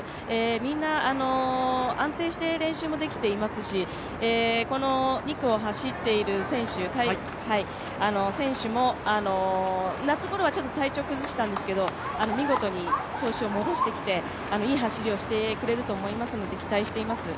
みんな安定して練習もできていますし、この２区を走っている選手も夏ごろは体調崩したんですけど、見事に調子を戻してきていい走りをしてくれると思いますので、期待しています。